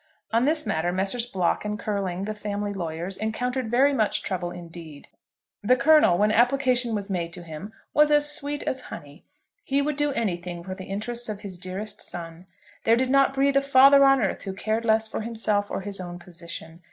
On this matter Messrs. Block and Curling, the family lawyers, encountered very much trouble indeed. The Colonel, when application was made to him, was as sweet as honey. He would do anything for the interests of his dearest son. There did not breathe a father on earth who cared less for himself or his own position.